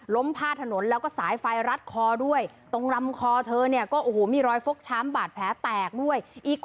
ล้มพาดถนนแล้วก็สายไฟรัดคอด้วย